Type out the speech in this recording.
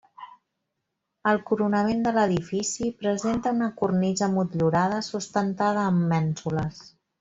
El coronament de l'edifici presenta una cornisa motllurada sustentada amb mènsules.